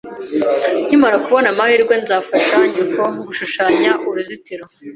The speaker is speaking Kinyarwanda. Nkimara kubona amahirwe, nzafasha nyoko gushushanya uruzitiro